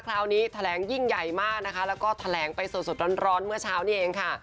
คราวนี้แถลงยิ่งใหญ่มากนะคะแล้วก็แถลงไปสดร้อนเมื่อเช้านี้เองค่ะ